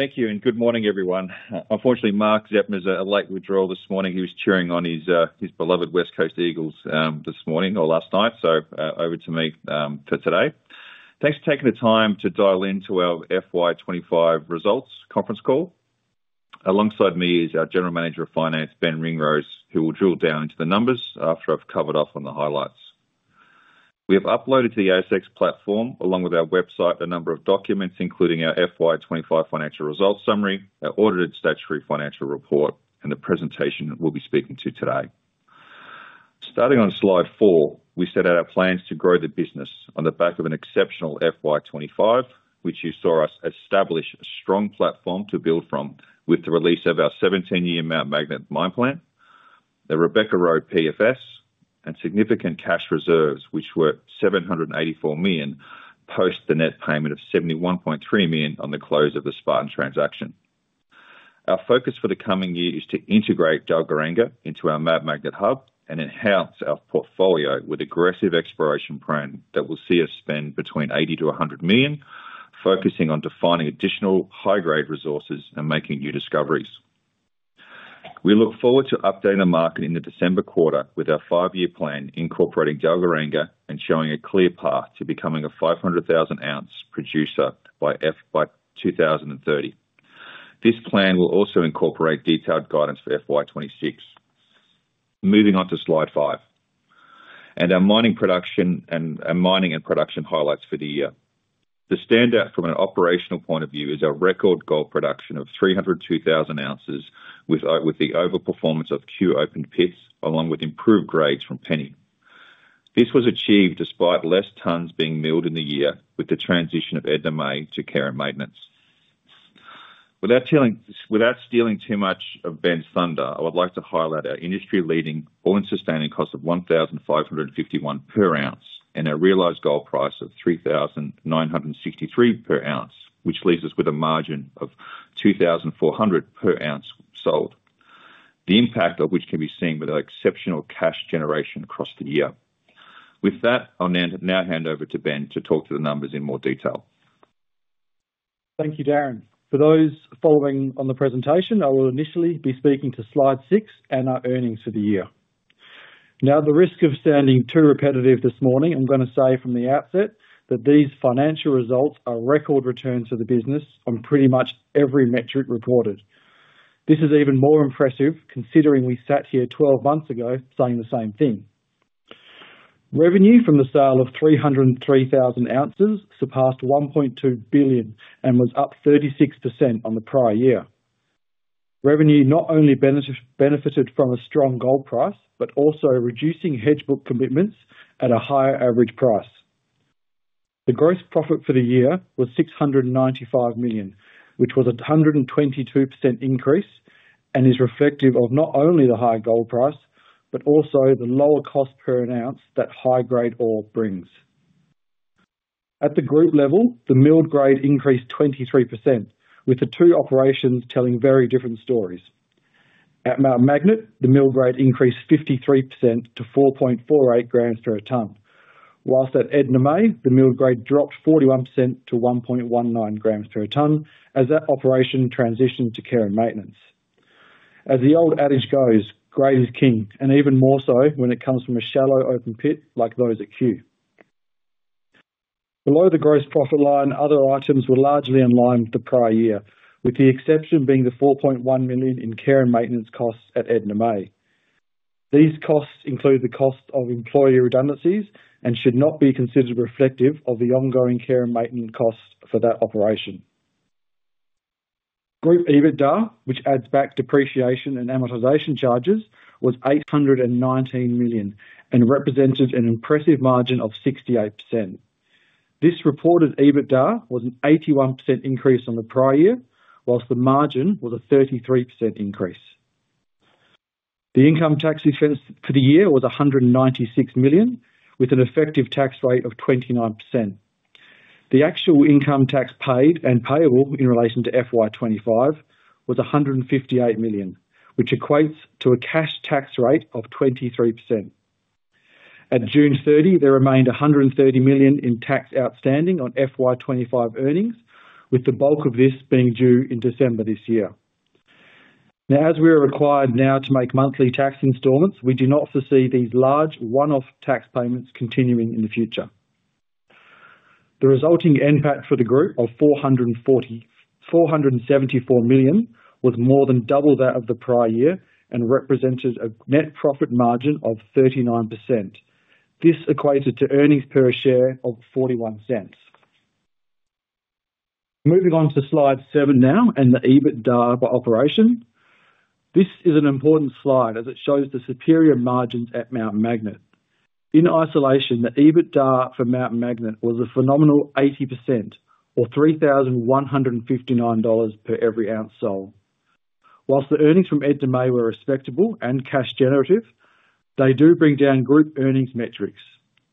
Thank you and good morning everyone. Unfortunately, Mark Zeptner's a late withdrawal this morning. He was cheering on his beloved West Coast Eagles this morning or last night. Over to me for today. Thanks for taking the time to dial into our FY2025 Results Conference Call. Alongside me is our General Manager of Finance, Ben Ringrose, who will drill down into the numbers after I've covered off on the highlights. We have uploaded to the ASX platform, along with our website, a number of documents including our FY2025 financial results summary, audited statutory financial report, and the presentation we'll be speaking to today. Starting on slide 4, we set out our plans to grow the business on the back of an exceptional FY2025, which you saw us establish a strong platform to build from with the release of our 17-year Mount Magnet mine plan, the Rebecca PFS, and significant cash reserves, which were $784 million post the net payment of $71.3 million on the close of the Spartan transaction. Our focus for the coming year is to integrate Dalgaranga into our Mount Magnet Hub and enhance our portfolio with an aggressive exploration plan that will see us spend between $80 million-$100 million focusing on defining additional high grade resources and making new discoveries. We look forward to updating the market in the December quarter with our five-year plan incorporating Dalgaranga and showing a clear path to becoming a 500,000 oz producer by 2030. This plan will also incorporate detailed guidance for FY2026. Moving on to slide 5 and our mining and production highlights for the year. The standout from an operational point of view is our record gold production of 302,000 oz with the overperformance of Kew open pits along with improved grades from Penning. This was achieved despite fewer tonnes being milled in the year with the transition of Edna May to care and maintenance. Without stealing too much of Ben's thunder, I would like to highlight our industry leading all-in sustaining cost of $1,551 per ounce and our realized gold price of $3,963 per ounce, which leaves us with a margin of $2,400 per ounce sold, the impact of which can be seen with our exceptional cash generation across the year. With that, I'll now hand over to Ben to talk to the numbers in more detail. Thank you Darren for those following on the presentation. I will initially be speaking to Slide 6 and our earnings for the year. Now at the risk of sounding too repetitive this morning, I'm going to say from the outset that these financial results are record returns to the business on pretty much every metric reported. This is even more impressive considering we sat here 12 months ago saying the same thing. Revenue from the sale of 303,000 oz surpassed $1.2 billion and was up 36% on the prior year. Revenue not only benefited from a strong gold price but also reducing hedge book commitments at a higher average price. The gross profit for the year was $695 million, which was a 122% increase and is reflective of not only the high gold price but also the lower cost per ounce that high grade ore brings. At the group level, the mill grade increased 23% with the two operations telling very different stories. At Mount Magnet, the mill grade increased 53% to 4.48 g/ton, whilst at Edna May the mill grade dropped 41% to 1.19 g/ton as that operation transitioned to care and maintenance. As the old adage goes, grade is king and even more so when it comes from a shallow open pit like those at Kew. Below the gross profit line, other items were largely in line with the prior year with the exception being the $4.1 million in care and maintenance costs at Edna May. These costs include the cost of employee redundancies and should not be considered reflective of the ongoing care and maintenance costs for that operation. Group EBITDA, which adds back depreciation and amortization charges, was $819 million and represented an impressive margin of 68%. This reported EBITDA was an 81% increase on the prior year, whilst the margin was a 33% increase. The income tax expense for the year was $196 million with an effective tax rate of 29%. The actual income tax paid and payable in relation to FY2025 was $158 million, which equates to a cash tax rate of 23%. At June 30 there remained $130 million in tax outstanding on FY2025 earnings with the bulk of this being due in December this year. Now, as we are required now to make monthly tax instalments, we do not foresee these large one-off tax payments continuing in the future. The resulting NPAT for the group of $440.474 million was more than double that of the prior year and represented a net profit margin of 39%. This equated to earnings per share of $0.41. Moving on to Slide 7 now and the EBITDA by operation. This is an important slide as it shows the superior margins at Mount Magnet in isolation. The EBITDA for Mount Magnet was a phenomenal 80% or $3,159 per every ounce sold. Whilst the earnings from Edna May were respectable and cash generative, they do bring down group earnings metrics.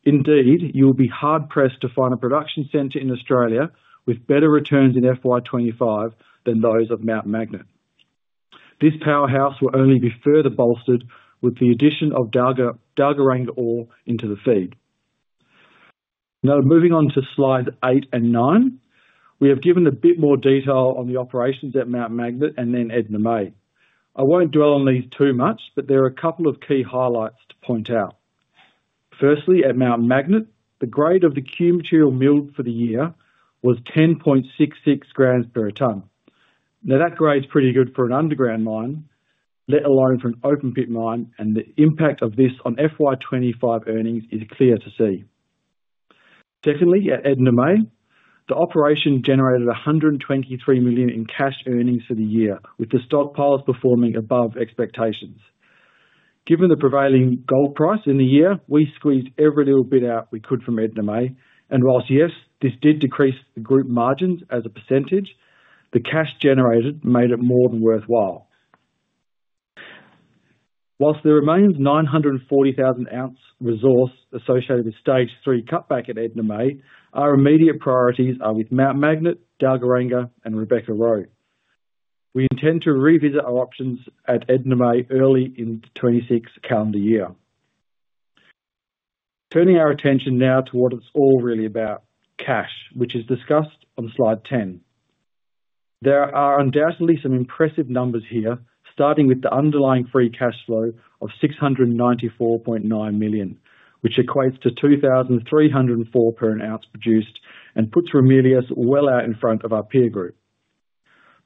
Indeed, you will be hard pressed to find a production center in Australia with better returns in FY2025 than those of Mount Magnet. This powerhouse will only be further bolstered with the addition of Dalgaranga ore into the feed. Now moving on to slide 8 and 9, we have given a bit more detail on the operations at Mount Magnet and then Edna May. I won't dwell on these too much, but there are a couple of key highlights to point out. Firstly, at Mount Magnet the grade of the Q material milled for the year was 10.66 g/ton. Now that grade's pretty good for an underground mine, let alone for an open pit mine, and the impact of this on FY2025 earnings is clear to see. Secondly, at Edna May the operation generated $123 million in cash earnings for the year. With the stockpiles performing above expectations given the prevailing gold price in the year, we squeezed every little bit out we could from Edna May. Whilst yes, this did decrease the group margins as a percentage, the cash generated made it more than worthwhile. Whilst there remains a 940,000 oz resource associated with Stage 3 cutback at Edna May, our immediate priorities are with Mount Magnet, Dalgaranga and Rebecca. We intend to revisit our options at Edna May early in the 2026 calendar year, turning our attention now to what it's all really about, cash, which is discussed on slide 10. There are undoubtedly some impressive numbers here, starting with the underlying free cash flow of $694.9 million, which equates to $2,304 per ounce produced and puts Ramelius well out in front of our peer group.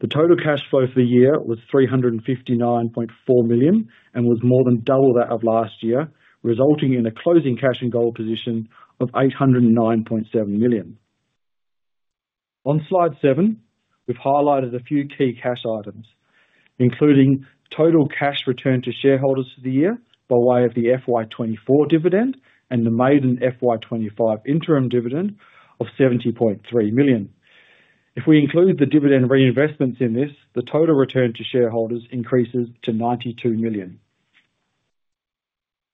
The total cash flow for the year was $359.4 million and was more than double that of last year, resulting in a closing cash and gold position of $809.7 million. On slide 7 we've highlighted a few key cash items, including total cash returned to shareholders for the year by way of the FY2024 dividend and the maiden FY2025 interim dividend of $70.3 million. If we include the dividend reinvestments in this, the total return to shareholders increases to $92 million.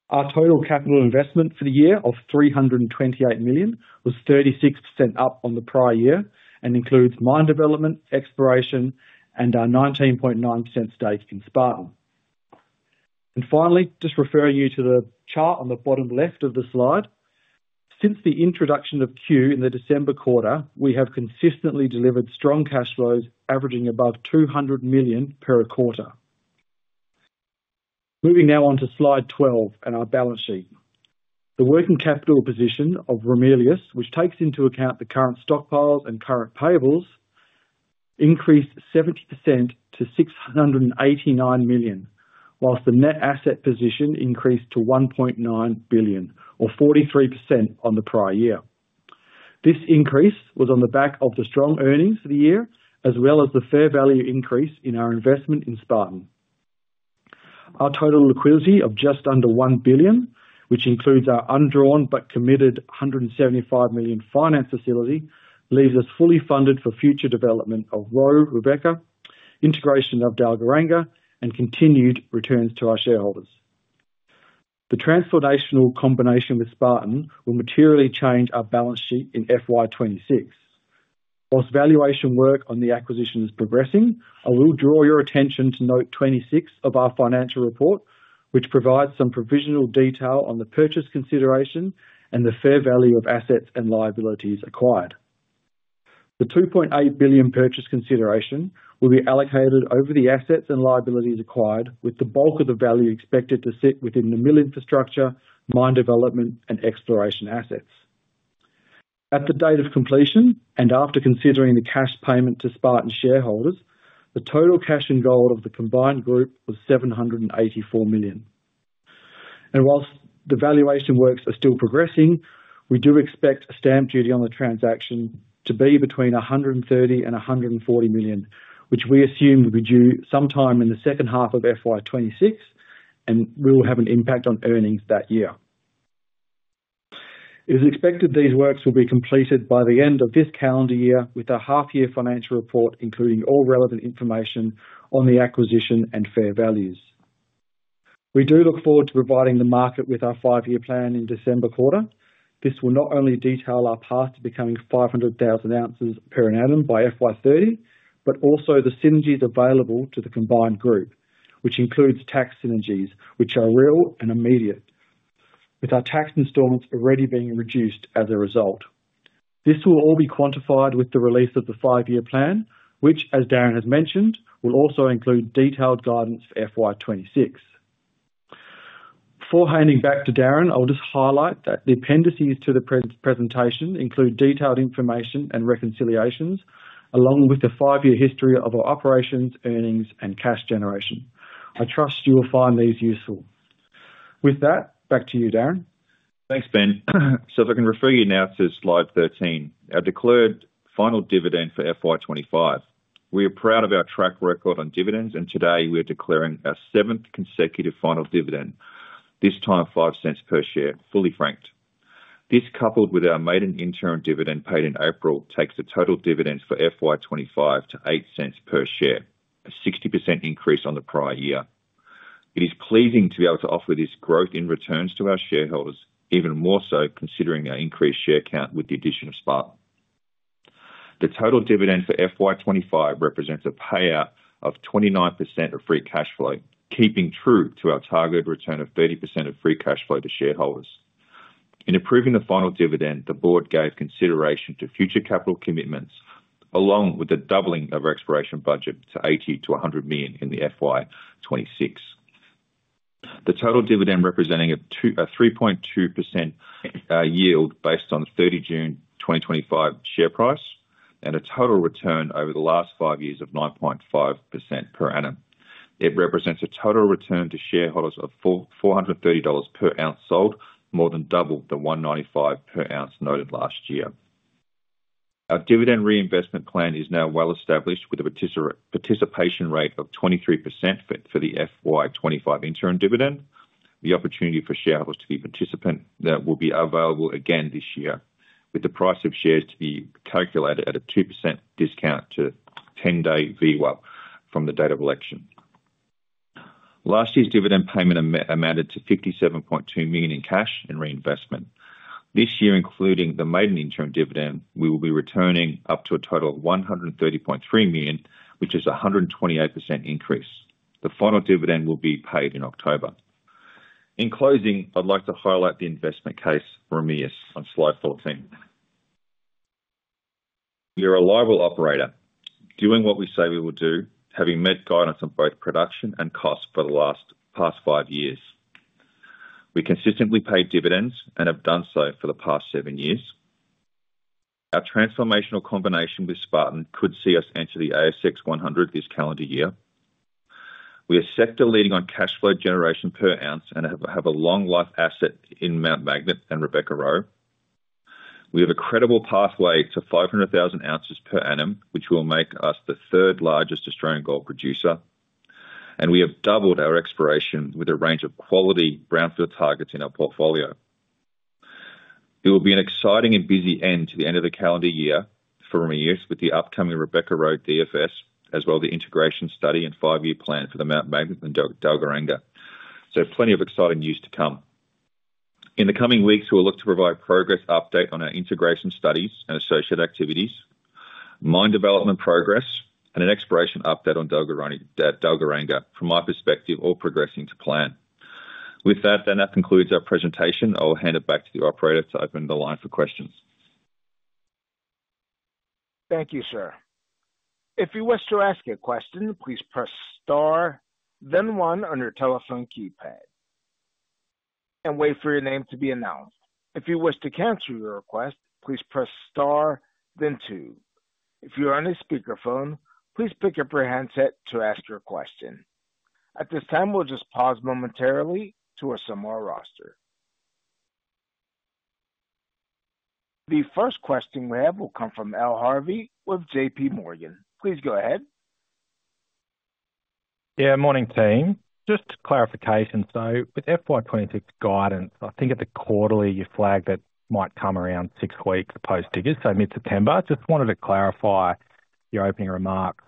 Our total capital investment for the year of $328 million was 36% up on the prior year and includes mine development, exploration and our 19.9% stake in Spartan. Finally, just referring you to the chart on the bottom left of the slide. Since the introduction of Kew in the December quarter, we have consistently delivered strong cash flows averaging above $200 million per quarter. Moving now on to slide 12 and our balance sheet. The working capital position of Ramelius, which takes into account the current stockpile and current payables, increased 70% to $689 million, whilst the net asset position increased to $1.9 billion, or 43% on the prior year. This increase was on the back of the strong earnings for the year as well as the fair value increase in our investment in Spartan. Our total liquidity of just under $1 billion, which includes our undrawn but committed $175 million finance facility, leaves us fully funded for future development of Rebecca, integration of Dalgaranga, and continued returns to our shareholders. The transformational combination with Spartan will materially change our balance sheet in FY2026. Whilst valuation work on the acquisition is progressing, I will draw your attention to note 26 of our financial report, which provides some provisional detail on the purchase consideration and the fair value of assets and liabilities acquired. The $2.8 billion purchase consideration will be allocated over the assets and liabilities acquired, with the bulk of the value expected to sit within the mill infrastructure, mine development, and exploration assets. At the date of completion, and after considering the cash payment to Spartan shareholders, the total cash and gold of the combined group was $784 million, and whilst the valuation works are still progressing, we do expect a stamp duty on the transaction to be between $130 million and $140 million, which we assume will be due sometime in the second half of FY2026 and will have an impact on earnings that year. It is expected these works will be completed by the end of this calendar year, with a half year financial report including all relevant information on the acquisition and fair values. We do look forward to providing the market with our five year plan in the December quarter. This will not only detail our path to becoming 500,000 oz per annum by FY2030 but also the synergies available to the combined group, which includes tax synergies that are real and immediate, with our tax instalments already being reduced as a result. This will all be quantified with the release of the five year plan, which as Darren has mentioned, will also include detailed guidance for FY2026. Before handing back to Darren, I'll just highlight that the appendices to the presentation include detailed information and reconciliations, along with the five year history of our operations, earnings, and cash generation. I trust you will find these useful. With that, back to you, Darren. Thanks, Ben. If I can refer you now to Slide 13, our declared final dividend for FY2025. We are proud of our track record on dividends and today we are declaring our seventh consecutive final dividend, this time $0.05 per share, fully franked. This, coupled with our maiden interim dividend paid in April, takes the total dividends for FY2025 to $0.08 per share, a 60% increase on the prior year. It is pleasing to be able to offer this growth in returns to our shareholders, even more so considering our increased share count with the addition of Spartan. The total dividend for FY2025 represents a payout of 29% of free cash flow, keeping true to our targeted return of 30% of free cash flow to shareholders. In approving the final dividend, the Board gave consideration to future capital commitments along with the doubling of our exploration budget to $80 million-$100 million in FY2026. The total dividend represents a 3.2% yield based on the 30 June 2025 share price and a total return over the last five years of 9.5% per annum. It represents a total return to shareholders of $430 per ounce sold, more than double the $195 per ounce noted last year. Our dividend reinvestment plan is now well established with a participation rate of 23% for the FY2025 interim dividend. The opportunity for shareholders to be participant will be available again this year with the price of shares to be calculated at a 2% discount to 10-day VWAP from the date of election. Last year's dividend payment amounted to $57.2 million in cash and reinvestment. This year, including the maiden interim dividend, we will be returning up to a total of $130.3 million, which is a 128% increase. The final dividend will be paid in October. In closing, I'd like to highlight the investment case remains on Slide 14. You are a reliable operator doing what we say we will do. Having met guidance on both production and costs for the past five years, we consistently paid dividends and have done so for the past seven years. Our transformational combination with Spartan could see us enter the ASX 100 this calendar year. We are sector leading on cash flow generation per ounce and have a long life asset in Mount Magnet and Rebecca. We have a credible pathway to 500,000 oz per annum which will make us the third largest Australian gold producer. We have doubled our exploration with a range of quality brownfield targets in our portfolio. It will be an exciting and busy end to the end of the calendar year for Ramelius with the upcoming Rebecca DFS as well as the integration study and five year plan for the Mount Magnet Dalgaranga. Plenty of exciting news to come in the coming weeks. We will look to provide progress update on our integration studies and associated activities, mine development progress, and an exploration update on Dalgaranga. From my perspective, all progressing to plan. That concludes our presentation. I will hand it back to the operator to open the line for questions. Thank you, sir. If you wish to ask a question, please press Star then one on your telephone keypad and wait for your name to be announced. If you wish to cancel your request, please press Star then two. If you're on a speakerphone, please pick up your handset to ask your question at this time. We'll just pause momentarily to our queue. The first question we have will come from Alistair Harvey with JPMorgan. Please go ahead. Yeah, morning team. Just clarification. With FY2026 guidance, I think at the quarterly you flagged it might come around six weeks post Diggers, so mid September. I just wanted to clarify your opening remarks.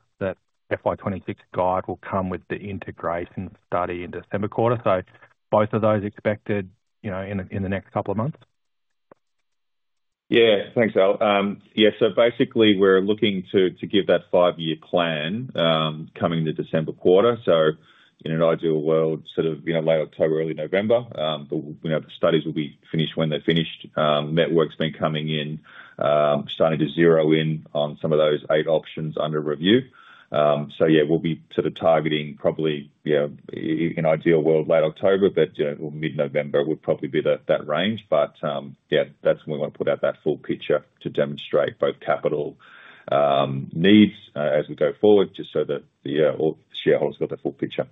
That FY2026 guide will come with the integration study in the December quarter. Both of those expected, you know, in the next couple of months. Yeah, thanks Al. Basically we're looking to give that five year plan coming the December quarter. In an ideal world, sort of, you know, layout to early November, but the studies will be finished when they're finished. Network's been coming in, starting to zero in on some of those eight options under review. We'll be sort of targeting probably in ideal world late October, but mid November would probably be that range. That's when we want to put out that full picture to demonstrate both capital needs as we go forward just so that shareholders got the full picture.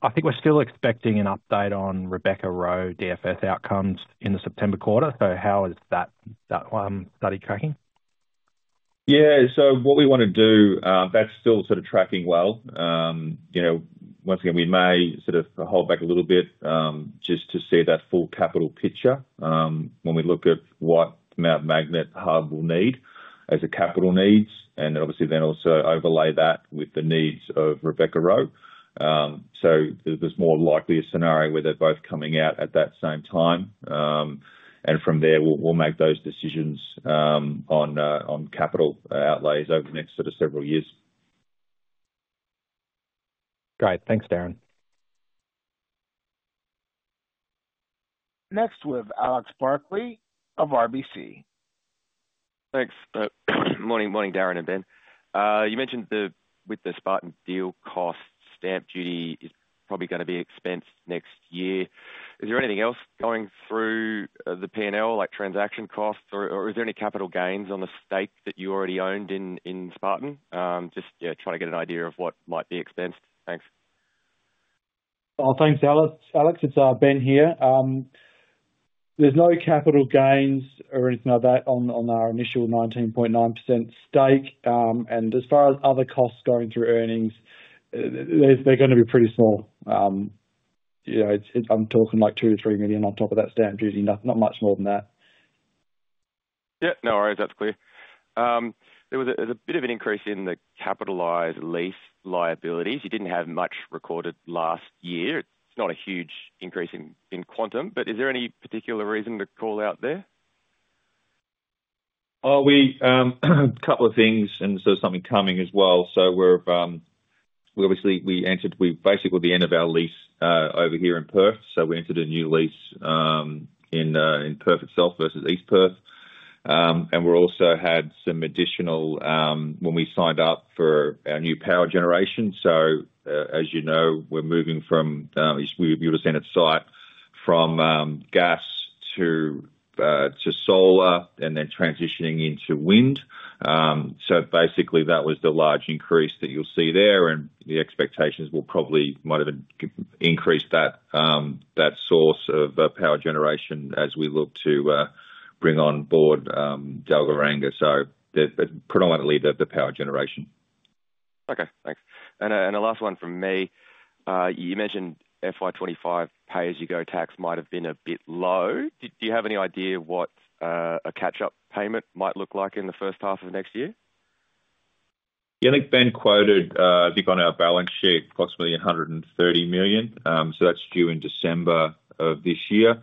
I think we're still expecting an update on Rebecca DFS outcomes in the September quarter. How is that study tracking? Yeah, so what we want to do is still sort of tracking. Once again, we may sort of hold back a little bit just to see that full capital picture when we look at what Mount Magnet Hub will need as a capital needs, and then obviously then also overlay that with the needs of Rebecca. There's more likely a scenario where they're both coming out at that same time. From there, we'll make those decisions on capital outlays over the next sort of several years. Great. Thanks, Darren. Next with Alex Barkley of RBC. Thanks. Morning. Morning Darren and Ben, you mentioned with the Spartan deal, cost stamp duty is probably going to be expensed next year. Is there anything else going through the P&L like transaction costs or is there any capital gains on the stake that you already owned in Spartan? Just trying to get an idea of what might be expensed. Thanks. Thanks, Alex. It's Ben here. There's no capital gains or anything like that on our initial 19.9% stake. As far as other costs going through earnings, they're going to be pretty small. I'm talking like $2 million-$3 million on top of that stamp duty, not much more than that. Yeah, no worries. That's clear. There was a bit of an increase in the capitalized lease liabilities. You didn't have much recorded last year. It's not a huge increase in quantum, but is there any particular reason to call out there? A couple of things coming as well. We obviously entered, basically, the end of our lease over here in Perth. We entered a new lease in Perth itself versus East Perth. We also had some additional costs when we signed up for our new power generation. As you know, we're moving from gas to solar and then transitioning into wind at site. That was the large increase that you'll see there, and the expectation is we might have increased that source of power generation as we look to bring on board Dalgaranga. Predominantly, the power generation. Okay, thanks. The last one from me, you mentioned FY2025 pay as you go tax might have been a bit low. Do you have any idea what a catch up payment might look like? The first half of next year? Yeah, I think Ben quoted, I think on our balance sheet, approximately $130 million. That's due in December of this year.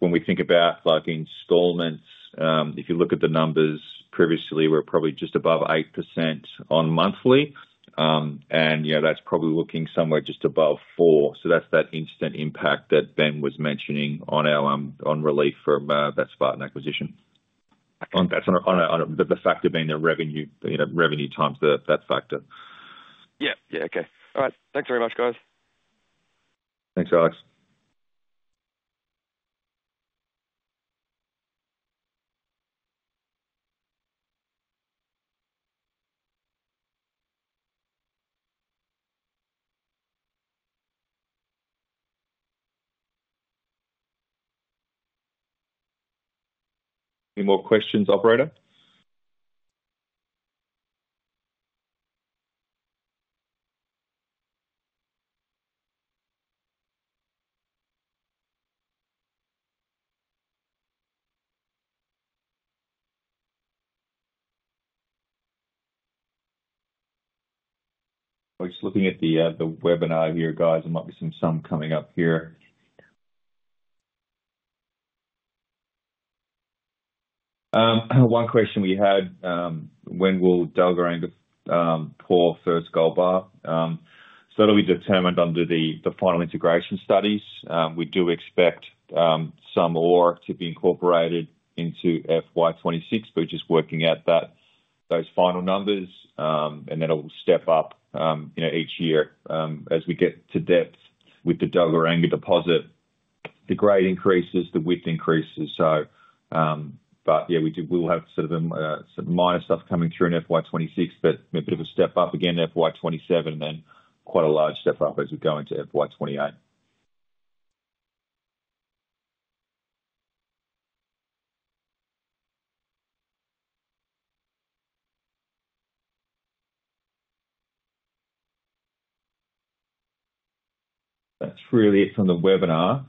When we think about installments, if you look at the numbers previously, we're probably just above 8% on monthly, and that's probably looking somewhere just above 4%. That's that instant impact that Ben was mentioning on our relief from that Spartan acquisition. That's the factor being the revenue, you know, revenue times that factor. Yeah, yeah. Okay. All right. Thanks very much, guys. Thanks, Alex. Any more questions, operator? Just looking at the webinar here, guys. There might be some coming up here. One question we had: When will Dalgaranga pour first gold bar? That'll be determined under the final integration studies. We do expect some ore to be incorporated into FY2026, just working out those final numbers, and then it will step up each year as we get to depth with the Dalgaranga deposit. The grade increases, the width increases. We will have sort of minor stuff coming through in FY2026, but a bit of a step up again in FY2027 and quite a large step up as we go into FY2028. That's really it from the webinar,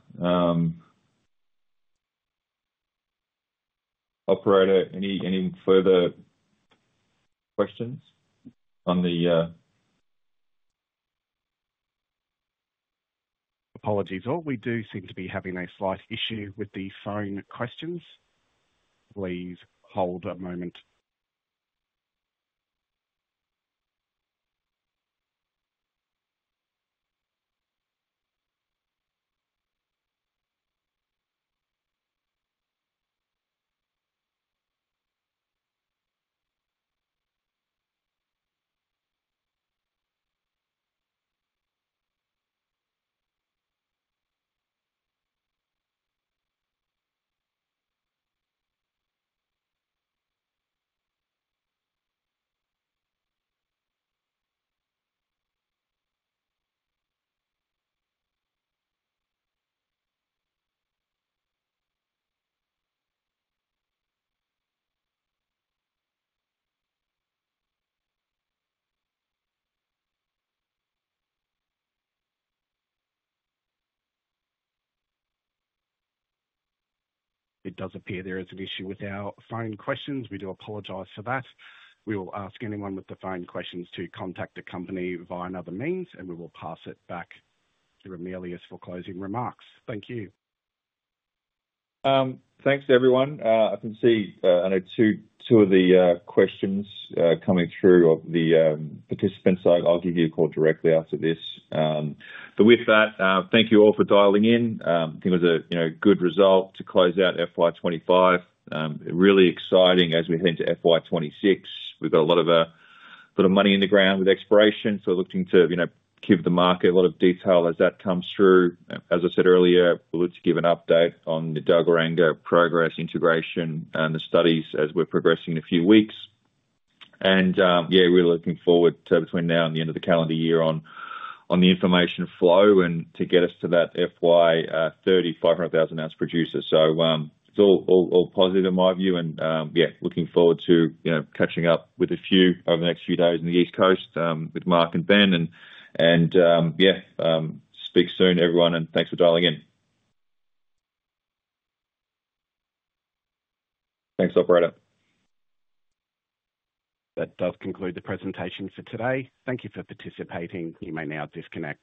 operator. Any further questions on the... Apologies all. We do seem to be having a slight issue with the phone questions. Please hold a moment. It does appear there is an issue with our phone questions. We do apologize for that. We will ask anyone with phone questions to contact the company via another means, and we will pass it back to Ramelius for closing remarks. Thank you. Thanks everyone. I can see, I know two of the questions coming through of the participants. I'll give you a call directly after this. With that, thank you all for dialing in. I think it was a good result to close out FY2025. Really exciting as we head into FY2026. We've got a lot of money in the ground with exploration, so looking to give the market a lot of detail as that comes through. As I said earlier, let's give an update on the Dalgaranga progress, integration, and the studies as we're progressing in a few weeks. We're looking forward to between now and the end of the calendar year on the information flow and to get us to that FY2030 500,000 oz producer. It's all positive in my view. Looking forward to catching up with a few over the next few days in the east coast with Mark and Ben. Speak soon everyone and thanks for dialing in. Thanks operator. That does conclude the presentation for today. Thank you for participating. You may now disconnect.